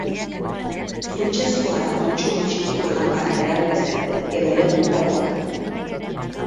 Funtsezkoa da kontsumo txikiko lanparak erabiltzea, edo led motakoak.